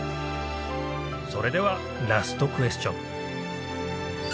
それではラストクエスチョン